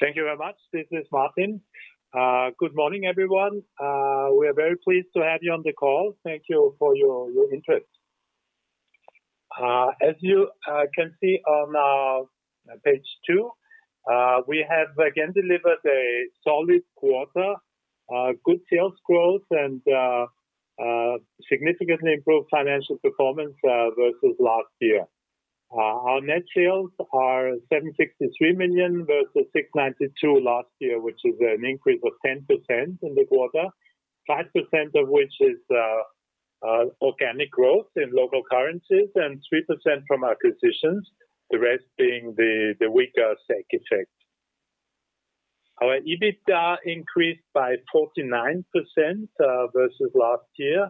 Thank you very much. This is Martin. Good morning, everyone. We are very pleased to have you on the call. Thank you for your interest. As you can see on page two, we have again delivered a solid quarter, good sales growth, and significantly improved financial performance versus last year. Our net sales are 763 million versus 692 million last year, which is an increase of 10% in the quarter, 5% of which is organic growth in local currencies and 3% from acquisitions, the rest being the weaker SEK effect. Our EBITDA increased by 49% versus last year,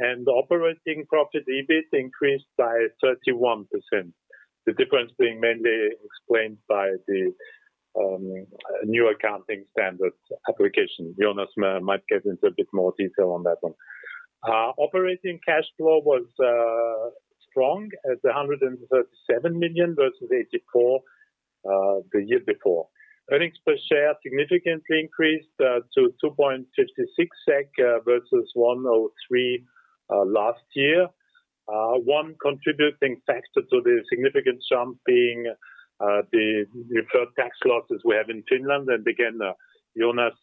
and operating profit EBIT increased by 31%, the difference being mainly explained by the new accounting standards application. Jonas might get into a bit more detail on that one. Operating cash flow was strong at 137 million versus 84 million the year before. Earnings per share significantly increased to 2.56 SEK versus 1.03 last year. One contributing factor to the significant jump being the deferred tax losses we have in Finland. Again, Jonas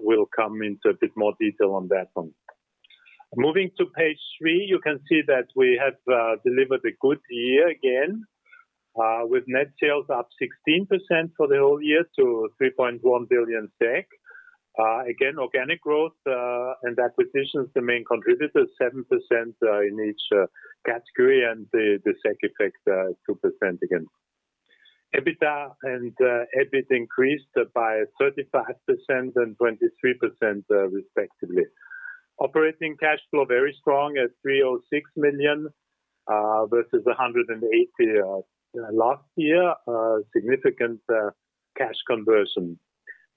will come into a bit more detail on that one. Moving to page three, you can see that we have delivered a good year again with net sales up 16% for the whole year to 3.1 billion. Again, organic growth, and acquisitions, the main contributor, 7% in each category and the SEK effect 2% again. EBITDA and EBIT increased by 35% and 23% respectively. Operating cash flow, very strong at 306 million, versus 108 last year. Significant cash conversion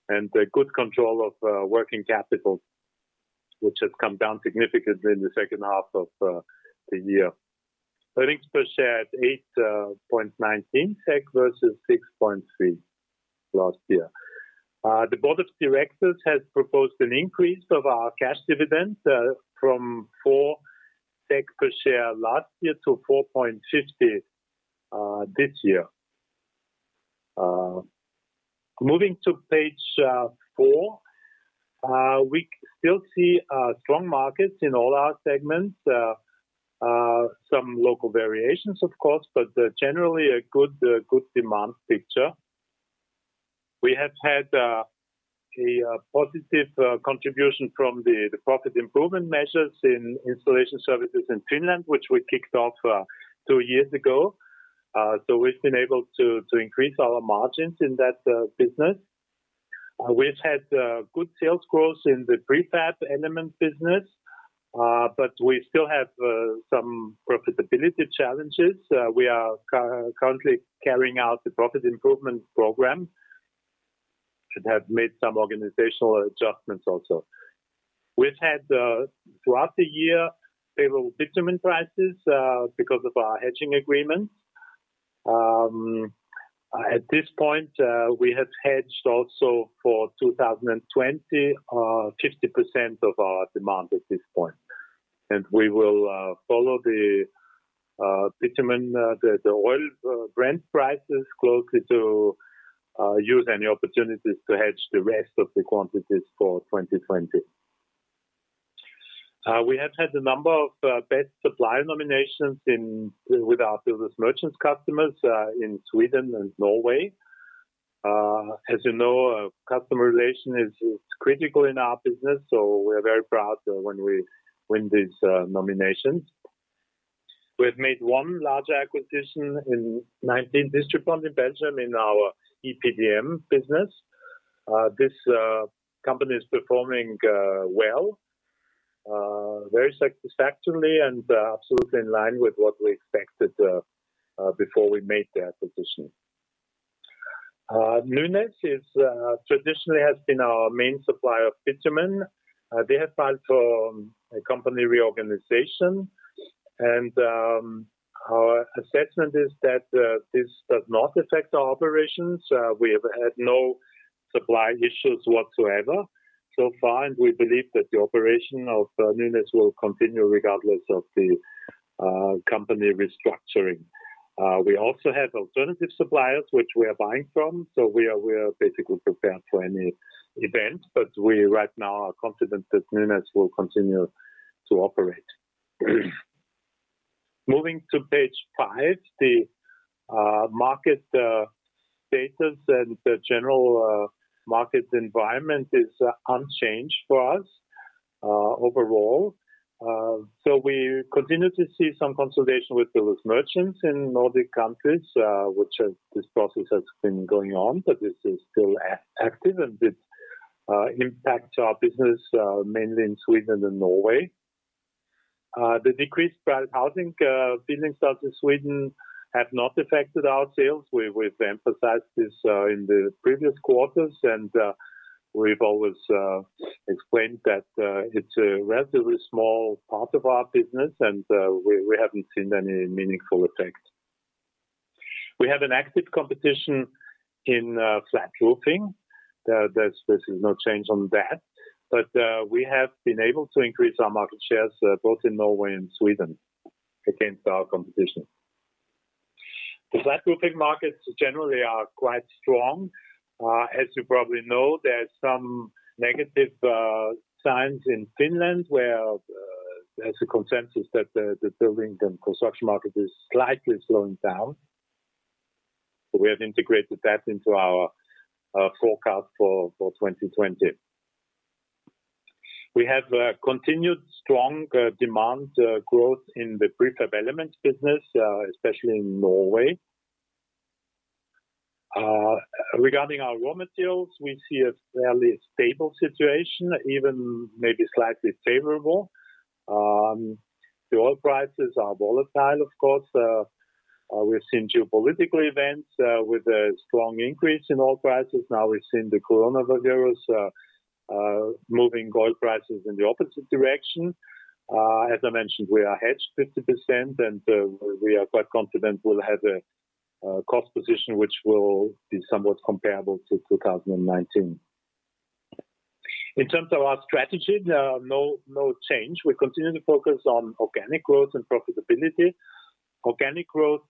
and good control of working capital, which has come down significantly in the second half of the year. Earnings per share at 8.19 SEK versus 6.3 last year. The board of directors has proposed an increase of our cash dividend from 4 SEK per share last year to 4.50 SEK this year. Moving to page four. We still see strong markets in all our segments. Some local variations, of course, but generally, a good demand picture. We have had a positive contribution from the profit improvement measures in Installation Services in Finland, which we kicked off two years ago. We've been able to increase our margins in that business. We've had good sales growth in the prefab elements business, but we still have some profitability challenges. We are currently carrying out the profit improvement program and have made some organizational adjustments also. We've had, throughout the year, favorable bitumen prices because of our hedging agreements. At this point, we have hedged also for 2020, 50% of our demand at this point. We will follow the bitumen, the oil Brent prices closely to use any opportunities to hedge the rest of the quantities for 2020. We have had a number of best supplier nominations with our builders merchant customers in Sweden and Norway. As you know, customer relation is critical in our business, so we are very proud when we win these nominations. We have made one large acquisition in Distri Pond in Belgium in our EPDM business. This company is performing well, very satisfactorily, and absolutely in line with what we expected before we made the acquisition. Nynas traditionally has been our main supplier of bitumen. They have filed for a company reorganization, our assessment is that this does not affect our operations. We have had no supply issues whatsoever so far, we believe that the operation of Nynas will continue regardless of the company restructuring. We also have alternative suppliers which we are buying from, so we are basically prepared for any event, but we right now are confident that Nynas will continue to operate. Moving to page five, the market status and the general market environment is unchanged for us overall. We continue to see some consolidation with builders merchants in Nordic countries, which this process has been going on, but this is still active, and it impacts our business mainly in Sweden and Norway. The decreased private housing building starts in Sweden have not affected our sales. We've emphasized this in the previous quarters. We've always explained that it's a relatively small part of our business, and we haven't seen any meaningful effect. We have an active competition in flat roofing. There's no change on that. We have been able to increase our market shares both in Norway and Sweden against our competition. The flat roofing markets generally are quite strong. As you probably know, there's some negative signs in Finland where there's a consensus that the building and construction market is slightly slowing down. We have integrated that into our forecast for 2020. We have continued strong demand growth in the prefab element business, especially in Norway. Regarding our raw materials, we see a fairly stable situation, even maybe slightly favorable. The oil prices are volatile, of course. We've seen geopolitical events with a strong increase in oil prices. Now we've seen the coronavirus moving oil prices in the opposite direction. As I mentioned, we are hedged 50%, and we are quite confident we'll have a cost position, which will be somewhat comparable to 2019. In terms of our strategy, there are no change. We continue to focus on organic growth and profitability. Organic growth,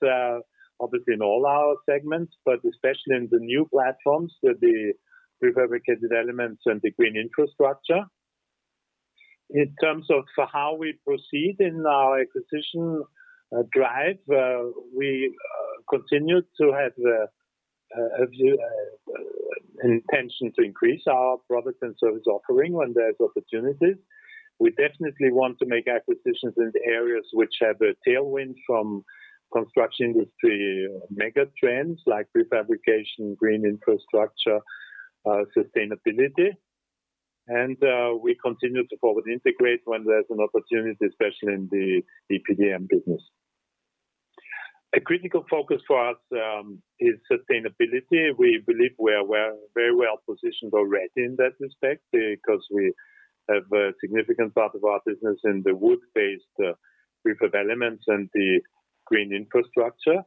obviously in all our segments, but especially in the new platforms, the prefabricated elements, and the green infrastructure. In terms of how we proceed in our acquisition drive, we continue to have intention to increase our product and service offering when there's opportunities. We definitely want to make acquisitions in the areas which have a tailwind from construction industry mega trends like prefabrication, green infrastructure, sustainability. And we continue to forward integrate when there's an opportunity, especially in the EPDM business. A critical focus for us is sustainability. We believe we're very well-positioned already in that respect because we have a significant part of our business in the wood-based prefab elements and the green infrastructure.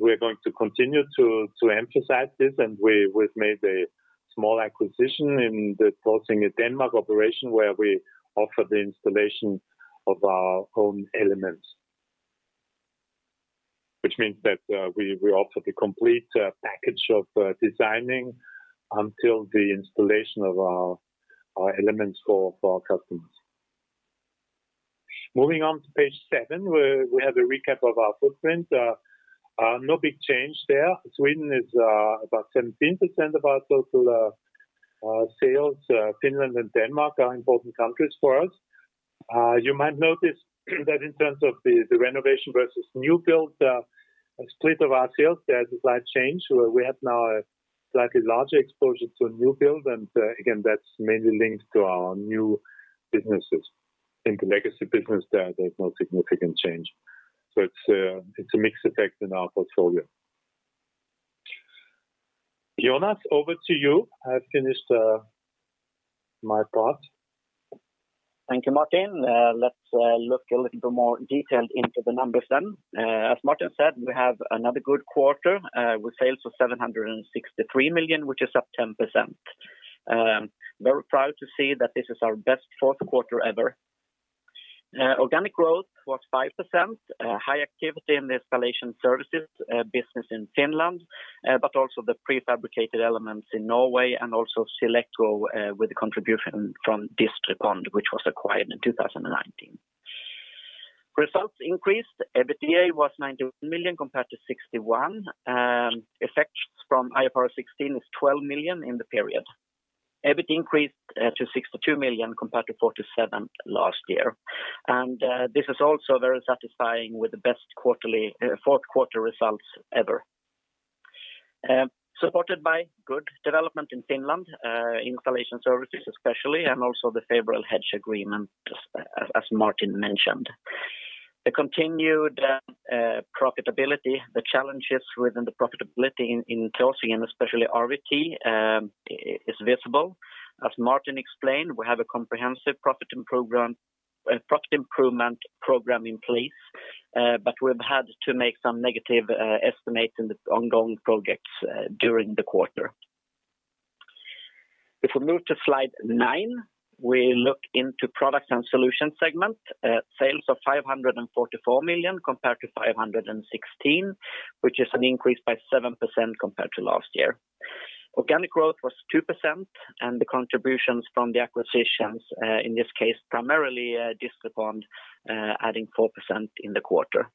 We're going to continue to emphasize this, and we've made a small acquisition in the Tørring, Denmark operation where we offer the installation of our own elements, which means that we offer the complete package of designing until the installation of our elements for our customers. Moving on to page seven, where we have a recap of our footprint. No big change there. Sweden is about 17% of our total sales. Finland and Denmark are important countries for us. You might notice that in terms of the renovation versus new build split of our sales, there's a slight change where we have now a slightly larger exposure to new build, and again, that's mainly linked to our new businesses. In the legacy business there's no significant change. It's a mixed effect in our portfolio. Jonas, over to you. I've finished my part. Thank you, Martin. Let's look a little bit more detailed into the numbers. As Martin said, we have another good quarter with sales of 763 million, which is up 10%. Very proud to see that this is our best fourth quarter ever. Organic growth was 5%. High activity in the installation services business in Finland, but also the prefabricated elements in Norway and also SealEco with the contribution from Distri Pond, which was acquired in 2019. Results increased. EBITDA was 91 million compared to 61 million. Effects from IFRS 16 is 12 million in the period. EBIT increased to 62 million compared to 47 million last year. This is also very satisfying with the best fourth quarter results ever. Supported by good development in Finland, installation services especially, and also the favorable hedge agreement, as Martin mentioned. The continued profitability, the challenges within the profitability in Tørring and especially RVT is visible. As Martin explained, we have a comprehensive profit improvement program in place, but we've had to make some negative estimates in the ongoing projects during the quarter. If we move to slide nine, we look into products and solutions segment. Sales of 544 million compared to 516 million, which is an increase by 7% compared to last year. Organic growth was 2%, and the contributions from the acquisitions, in this case, primarily Distri Pond adding 4% in the quarter.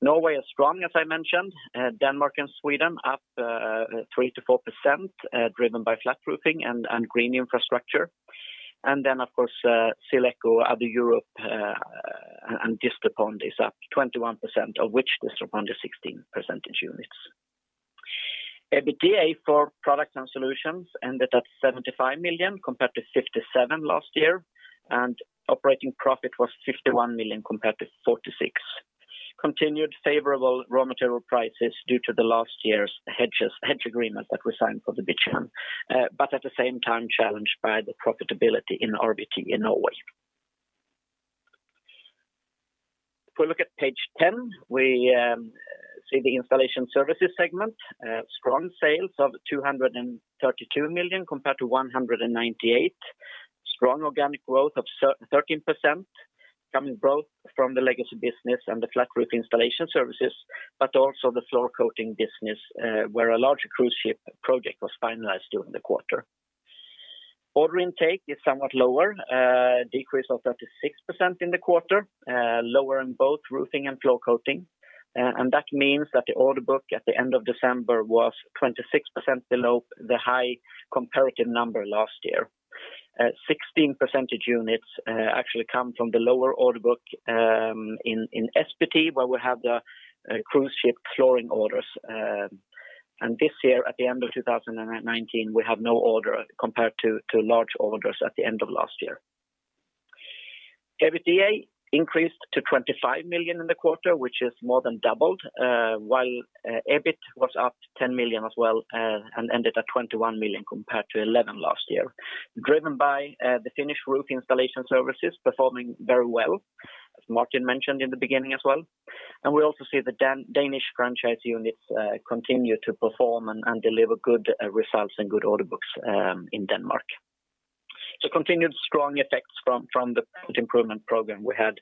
Norway is strong, as I mentioned. Denmark and Sweden up 3%-4%, driven by flat roofing and green infrastructure. Of course, SealEco, Other Europe, and Distri Pond is up 21%, of which Distri Pond is 16 percentage units. EBITDA for products and solutions ended at 75 million compared to 57 last year, and operating profit was 51 million compared to 46. Continued favorable raw material prices due to the last year's hedge agreement that we signed for the bitumen, but at the same time challenged by the profitability in RVT in Norway. If we look at page 10, we see the installation services segment. Strong sales of 232 million compared to 198. Strong organic growth of 13% coming both from the legacy business and the flat roof installation services, but also the floor coating business, where a large cruise ship project was finalized during the quarter. Order intake is somewhat lower, a decrease of 36% in the quarter, lower in both roofing and floor coating. That means that the order book at the end of December was 26% below the high comparative number last year. 16 percentage units actually come from the lower order book in SPT, where we have the cruise ship flooring orders. This year, at the end of 2019, we have no order compared to large orders at the end of last year. EBITDA increased to 25 million in the quarter, which is more than doubled, while EBIT was up 10 million as well and ended at 21 million compared to 11 last year, driven by the Finnish roof installation services performing very well, as Martin mentioned in the beginning as well. We also see the Danish franchise units continue to perform and deliver good results and good order books in Denmark. Continued strong effects from the improvement program we had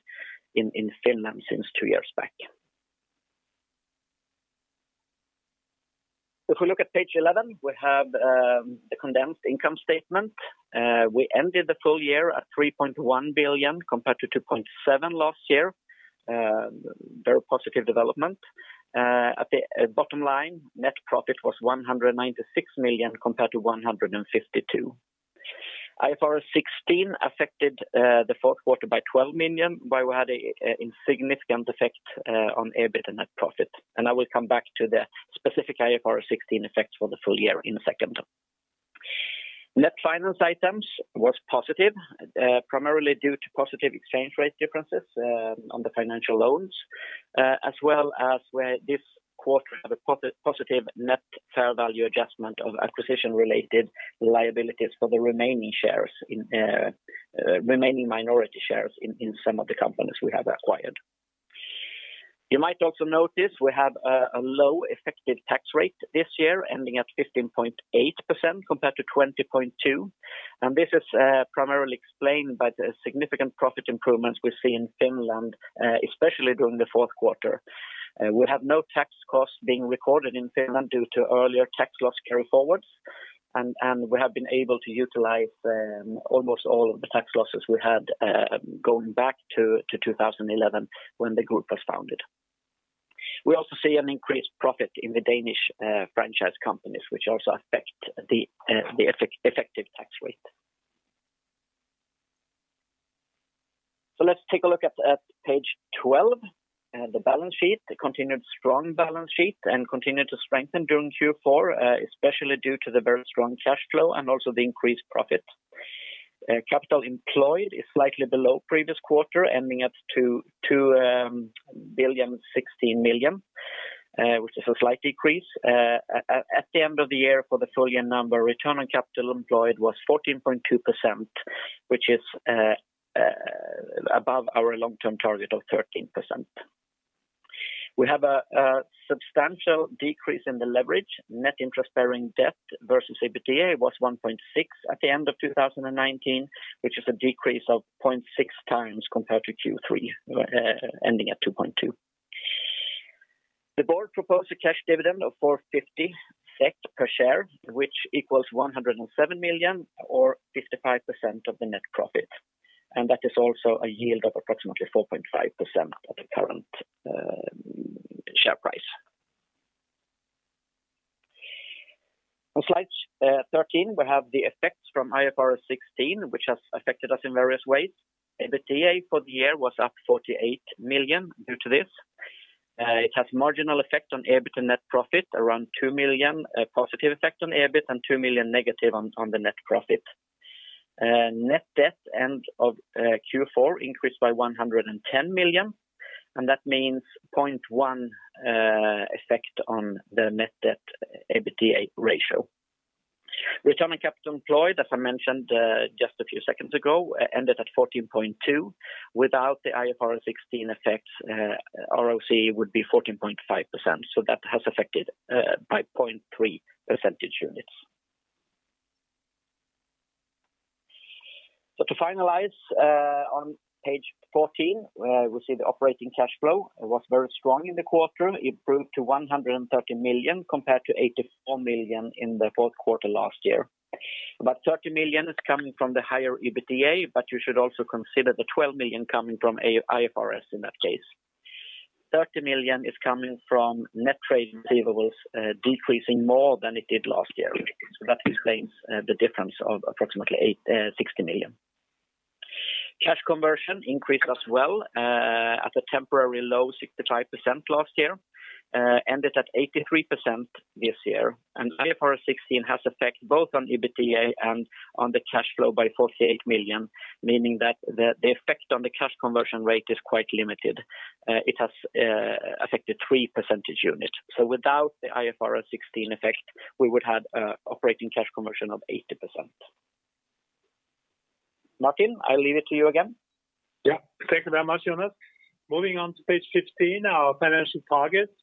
in Finland since two years back. If we look at page 11, we have the condensed income statement. We ended the full year at 3.1 billion compared to 2.7 billion last year. Very positive development. At the bottom line, net profit was 196 million compared to 152 million. IFRS 16 affected the fourth quarter by 12 million, while we had an insignificant effect on EBIT and net profit. I will come back to the specific IFRS 16 effects for the full year in a second. Net finance items was positive primarily due to positive exchange rate differences on the financial loans as well as where this quarter had a positive net fair value adjustment of acquisition-related liabilities for the remaining minority shares in some of the companies we have acquired. You might also notice we have a low effective tax rate this year ending at 15.8% compared to 20.2%, and this is primarily explained by the significant profit improvements we see in Finland, especially during the fourth quarter. We have no tax costs being recorded in Finland due to earlier tax loss carryforwards, and we have been able to utilize almost all of the tax losses we had going back to 2011 when the group was founded. We also see an increased profit in the Danish franchise companies, which also affect the effective tax rate. Let's take a look at page 12 at the balance sheet, the continued strong balance sheet, and continued to strengthen during Q4, especially due to the very strong cash flow and also the increased profit. Capital employed is slightly below previous quarter, ending at 2,016 million, which is a slight decrease. At the end of the year for the full year number, return on capital employed was 14.2%, which is above our long-term target of 13%. We have a substantial decrease in the leverage. Net interest-bearing debt versus EBITDA was 1.6 at the end of 2019, which is a decrease of 0.6x compared to Q3, ending at 2.2. The board proposed a cash dividend of 4.50 SEK per share, which equals 107 million or 55% of the net profit, and that is also a yield of approximately 4.5% of the current share price. On slide 13, we have the effects from IFRS 16, which has affected us in various ways. EBITDA for the year was up 48 million due to this. It has a marginal effect on EBIT and net profit, around 2 million positive effect on EBIT and 2 million negative on the net profit. Net debt end of Q4 increased by 110 million, and that means 0.1 effect on the net debt/EBITDA ratio. Return on Capital Employed, as I mentioned just a few seconds ago, ended at 14.2. Without the IFRS 16 effects, ROCE would be 14.5%. That has affected by 0.3 percentage units. To finalize, on page 14, we see the operating cash flow. It was very strong in the quarter. It improved to 130 million compared to 84 million in the fourth quarter last year. About 30 million is coming from the higher EBITDA. You should also consider the 12 million coming from IFRS in that case. 30 million is coming from net trade receivables decreasing more than it did last year. That explains the difference of approximately 60 million. Cash conversion increased as well at a temporarily low 65% last year. It ended at 83% this year. IFRS 16 has effect both on EBITDA and on the cash flow by 48 million, meaning that the effect on the cash conversion rate is quite limited. It has affected three percentage unit. Without the IFRS 16 effect, we would have operating cash conversion of 80%. Martin, I leave it to you again. Yeah, thank you very much, Jonas. Moving on to page 15, our financial targets.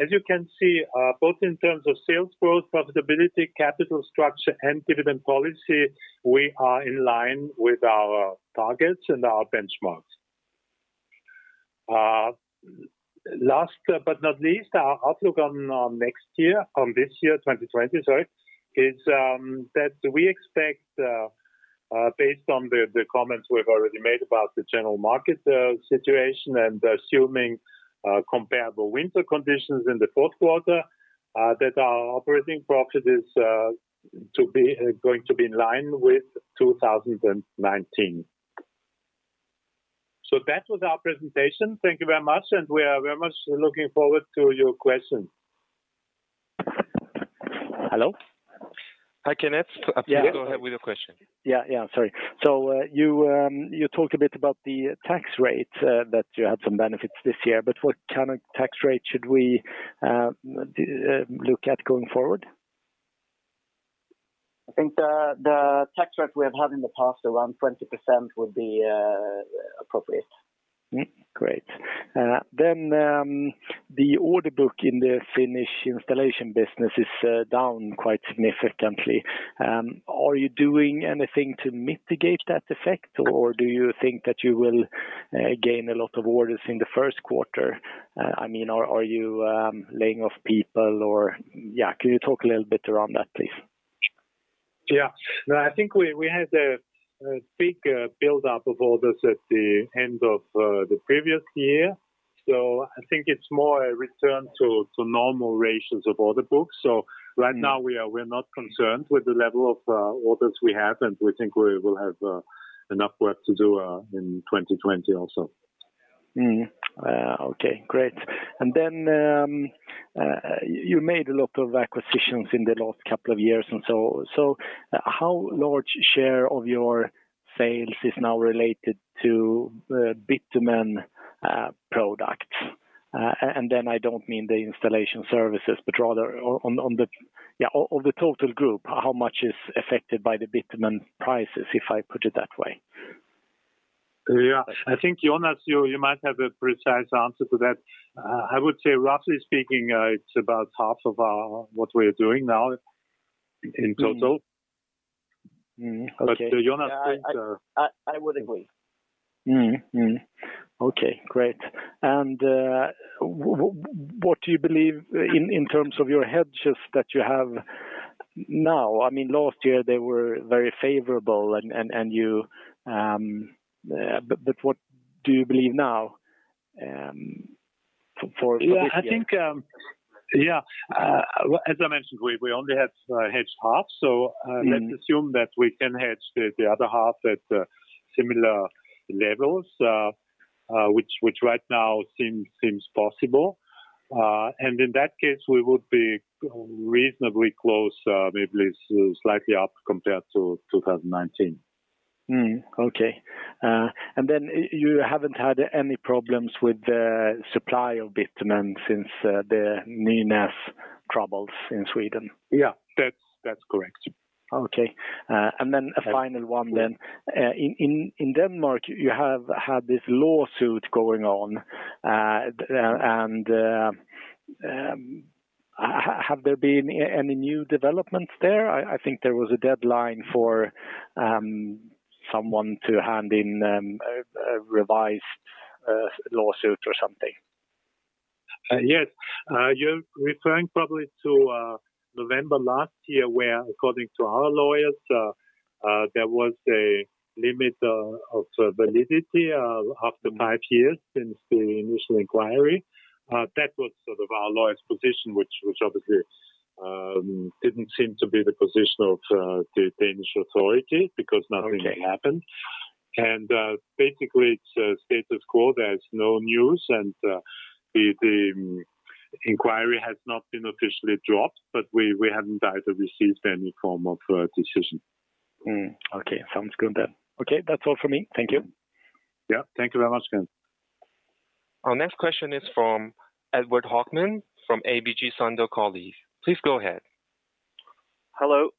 As you can see, both in terms of sales growth, profitability, capital structure and dividend policy, we are in line with our targets and our benchmarks. Last but not least, our outlook on this year, 2020, is that we expect, based on the comments we've already made about the general market situation and assuming comparable winter conditions in the fourth quarter, that our operating profit is going to be in line with 2019. That was our presentation. Thank you very much, and we are very much looking forward to your questions. Hello? Hi, Kenneth. Yes. Please go ahead with your question. Yeah, sorry. You talked a bit about the tax rate, that you had some benefits this year, but what kind of tax rate should we look at going forward? I think the tax rate we have had in the past, around 20%, would be appropriate. Great. The order book in the Finnish installation business is down quite significantly. Are you doing anything to mitigate that effect, or do you think that you will gain a lot of orders in the first quarter? I mean, are you laying off people or can you talk a little bit around that, please? No, I think we had a big buildup of orders at the end of the previous year, so I think it's more a return to normal ratios of order books. Right now, we're not concerned with the level of orders we have, and we think we will have enough work to do in 2020 also. Okay, great. You made a lot of acquisitions in the last couple of years and so, how large share of your sales is now related to bitumen products? I don't mean the installation services, but rather of the total group, how much is affected by the bitumen prices, if I put it that way? Yeah. I think, Jonas, you might have a precise answer to that. I would say roughly speaking, it's about half of what we are doing now in total. I would agree. Okay, great. What do you believe in terms of your hedges that you have now? Last year they were very favorable, what do you believe now for this year? As I mentioned, we only have hedged half, so let's assume that we can hedge the other half at similar levels, which right now seems possible. In that case, we would be reasonably close, maybe slightly up compared to 2019. Okay. You haven't had any problems with the supply of bitumen since the Nynas troubles in Sweden? Yeah, that's correct. Okay. A final one then. In Denmark, you have had this lawsuit going on, and have there been any new developments there? I think there was a deadline for someone to hand in a revised lawsuit or something. Yes. You're referring probably to November last year, where according to our lawyers, there was a limit of validity after five years since the initial inquiry. That was sort of our lawyer's position, which obviously didn't seem to be the position of the Danish authority because nothing happened. Basically, it's a status quo. There's no news, and the inquiry has not been officially dropped, but we haven't either received any form of decision. Okay, sounds good then. Okay, that's all from me. Thank you. Yeah, thank you very much, Kenneth. Our next question is from Edward Hochman from ABG Sundal Collier. Please go ahead. Hello.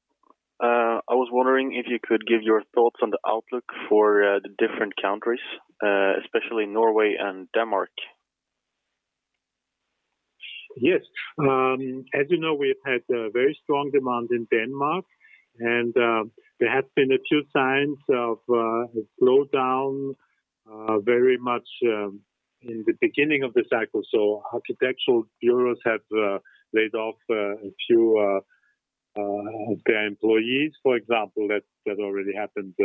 I was wondering if you could give your thoughts on the outlook for the different countries, especially Norway and Denmark. Yes. As you know, we've had very strong demand in Denmark. There have been a few signs of a slowdown very much in the beginning of the cycle. Architectural bureaus have laid off a few of their employees, for example. That already happened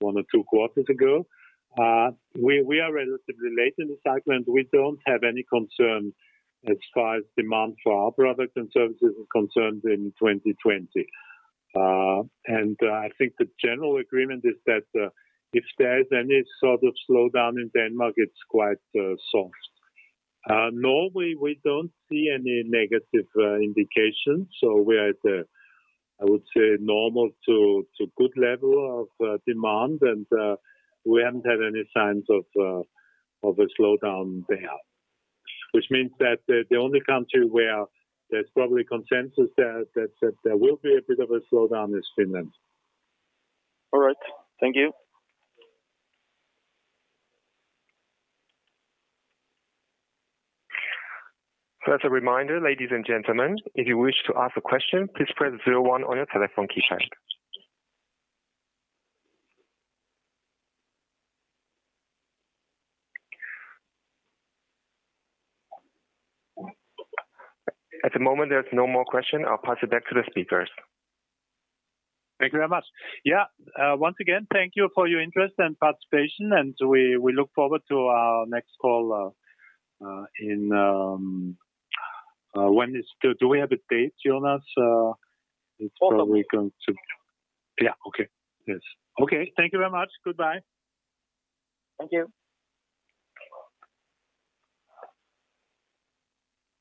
one or two quarters ago. We are relatively late in the cycle. We don't have any concerns as far as demand for our products and services is concerned in 2020. I think the general agreement is that if there's any sort of slowdown in Denmark, it's quite soft. Norway, we don't see any negative indications. We are at a, I would say, normal to good level of demand. We haven't had any signs of a slowdown there. Which means that the only country where there's probably consensus that there will be a bit of a slowdown is Finland. All right. Thank you. As a reminder, ladies and gentlemen, if you wish to ask a question, please press zero one on your telephone keypad. At the moment, there is no more questions. I will pass it back to the speakers. Thank you very much. Yeah. Once again, thank you for your interest and participation, and we look forward to our next call in. Do we have a date, Jonas? Fourth of April. Yeah. Okay. Yes. Okay, thank you very much. Goodbye. Thank you.